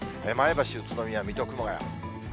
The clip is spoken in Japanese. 前橋、宇都宮、水戸、熊谷。